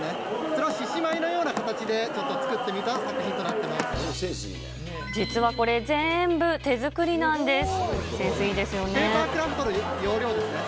それをししまいのような形で、ちょっと作ってみた作品となって実はこれ、ぜーんぶ手作りなんです。